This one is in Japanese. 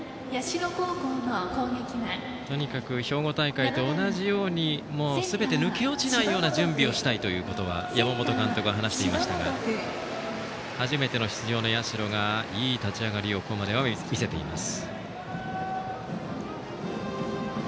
とにかく兵庫大会と同じようにすべて抜け落ちないような準備をしたいということは山本監督、話していましたが初めての出場の社がいい立ち上がりをここまでは見せています。